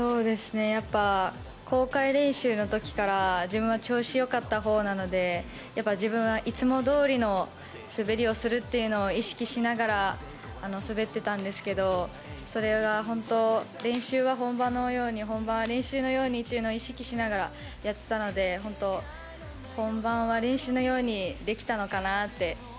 公開練習の時から自分は調子良かったほうなので自分はいつもどおりの滑りをするというのを意識しながら滑ってたんですけどそれが本当、練習は本番のように本番は練習のようにというのを意識しながらやってたので、本番は練習のようにできたのかなって。